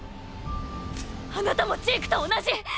あなたもジークと同じ！！